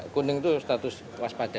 kuning itu status waspada